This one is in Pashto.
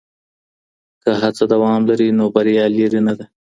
که هڅه دوام لري نو بریا لیري نه ده.